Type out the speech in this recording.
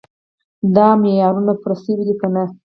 دا معیارونه پوره شوي دي که نه.